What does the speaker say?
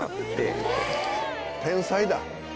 天才だ。